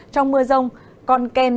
trong mưa rông còn kèm